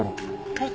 はい。